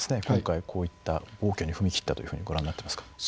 今回こういった暴挙に踏み切ったというふうにご覧になってますか。